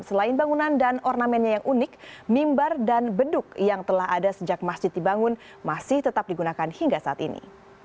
selain bangunan dan ornamennya yang unik mimbar dan beduk yang telah ada sejak masjid dibangun masih tetap digunakan hingga saat ini